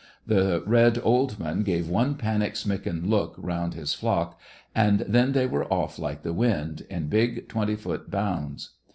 The red old man gave one panic smitten look round his flock, and then they were off like the wind, in big twenty foot bounds.